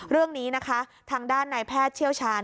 เรื่องนี้นะคะทางด้านนายแพทย์เชี่ยวชาญ